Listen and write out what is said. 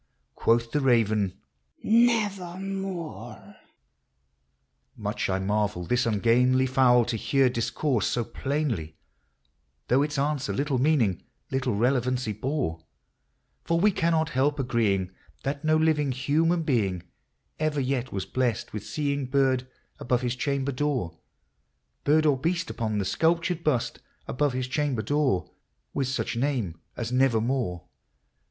Quoth the raven, " Nevermore !" Much I marvelled this ungainly fowl to hear dis course so plainly, Though its answer little meaning, little relevancy bore ; For we cannot help agreeing that no living human being Ever yet was blessed with seeing bird above hia chamber door, Bird or beast upon the sculptured bust above his chamber door, With such name as " Xevermore